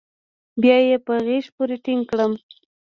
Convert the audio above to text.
بيا يې په غېږ پورې ټينگ کړم.